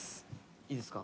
いいですか？